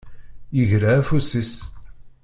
Yegra afus-is.